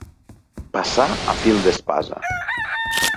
Passar a fil d'espasa.